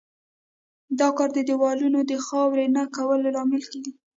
دا کار د دېوالونو د خاوره نه کولو لامل کیږي.